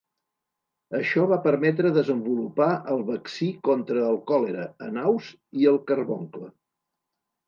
Això va permetre desenvolupar el vaccí contra el còlera en aus i el carboncle.